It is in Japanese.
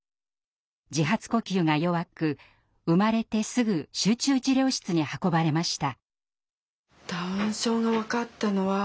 自発呼吸が弱く生まれてすぐ集中治療室に運ばれました。